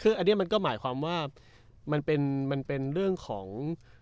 คืออันนี้มันก็หมายความว่ามันเป็นเรื่องของ